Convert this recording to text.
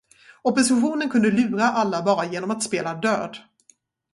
Oppositionen kunde lura alla bara genom att spela död.